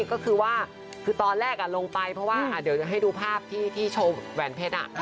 ก็คือว่าคือตอนแรกลงไปเพราะว่าเดี๋ยวจะให้ดูภาพที่โชว์แหวนเพชร